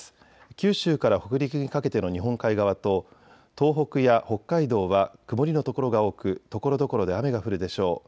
九州から北陸にかけての日本海側と東北や北海道は曇りの所が多くところどころで雨が降るでしょう。